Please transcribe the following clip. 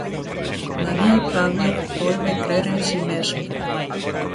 Manuel Pablo volve crer en si mesmo.